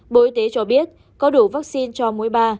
bộ y tế cho biết có đủ vaccine cho mũi ba